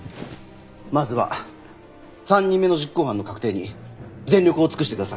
まずは３人目の実行犯の確定に全力を尽くしてください。